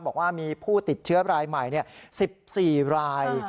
บอกว่ามีผู้ติดเชื้อรายใหม่๑๔ราย